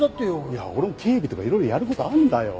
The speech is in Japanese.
いや俺も警備とかいろいろやる事あるんだよ。